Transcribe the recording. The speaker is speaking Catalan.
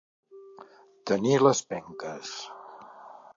Tenir les penques.